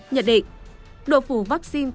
nhận định độ phủ vaccine